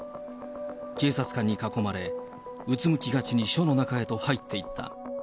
警察官に囲まれ、うつむきがちに署の中に入っていった。